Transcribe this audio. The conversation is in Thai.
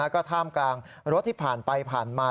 ก็ท่ามกลางรถที่ผ่านไปผ่านมา